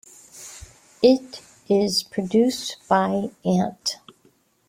It is produced by Ant.